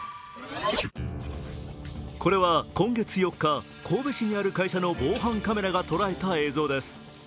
これは今月４日、神戸市にある会社の防犯カメラが捉えた映像です。